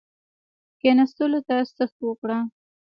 کښېنستلو ته ست وکړ.